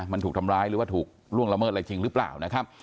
มันถูกทำร้ายหรือว่าถูกล่วงละเมิดอะไรจริงหรือเปล่านะครับ